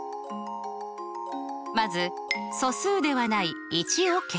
まず素数ではない１を消します。